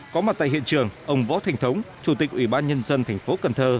có mặt tại hiện trường ông võ thành thống chủ tịch ủy ban nhân dân thành phố cần thơ